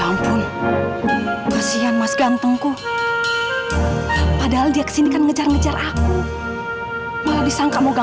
mas iksan udah lama pulangnya